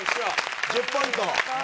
１０ポイント。